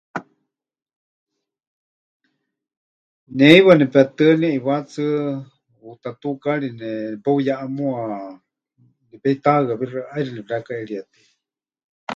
Ne heiwa nepetɨa neʼiwá hetsɨa, huuta tukaari nepeuyéʼa muuwa, nepeitahɨawíxɨ, ʼaixɨ nepɨrekaʼeríetɨya.